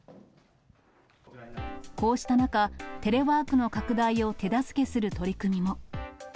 こうした中、テレワークの拡大を手助けする取り組みも。